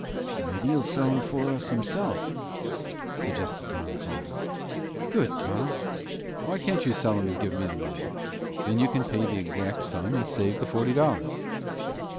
"Maybe he'll sell 'em for us himself," suggested Tom Calder. "Good, Tom! Why can't you sell 'em and give me the money? Then you can pay the exact sum and save the forty dollars."